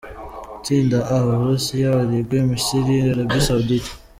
Itsinda A: U Burusiya, Uruguay, Misiri, Arabie Saoudite.